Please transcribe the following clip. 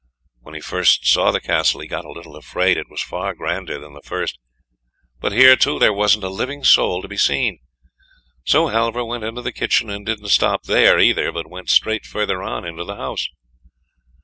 When he first saw the Castle he got a little afraid; it was far grander than the first, but here too there wasn't a living soul to be seen. So Halvor went into the kitchen, and didn't stop there either, but went straight further on into the house.